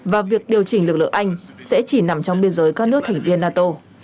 và việc điều chỉnh lực lượng anh sẽ chỉ nằm trong biên giới các nước thành viên nato